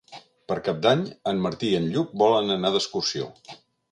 Per Cap d'Any en Martí i en Lluc volen anar d'excursió.